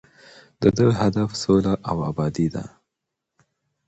د ده هدف سوله او ابادي ده.